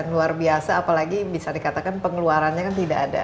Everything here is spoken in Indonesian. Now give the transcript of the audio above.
luar biasa apalagi bisa dikatakan pengeluarannya kan tidak ada